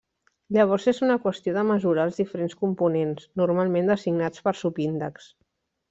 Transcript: Llavors és una qüestió de mesurar els diferents components, normalment designats per subíndexs.